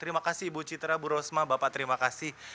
terima kasih ibu citra bu rosma bapak terima kasih